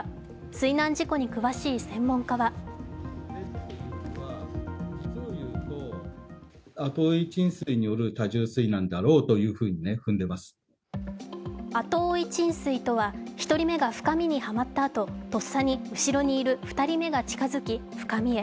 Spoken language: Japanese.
水難事故に詳しい専門家は後追い沈水とは、１人目が深みにはまったあと、とっさに後ろにいる２人目が近づき深みへ。